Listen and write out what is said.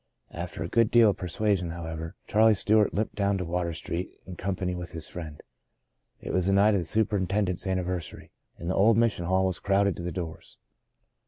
After a good deal of persuasion, however, Charlie Stewart limped down to Water Street, in company with his friend. It was the night of the superintendent's anniversary, and the old Mission Hall was crowded to the doors.